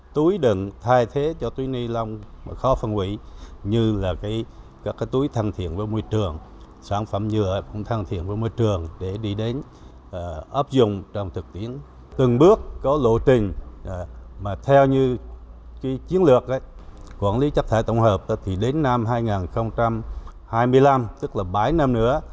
theo như chiến lược quản lý chất thải tổng hợp đến năm hai nghìn hai mươi năm tức là bảy năm nữa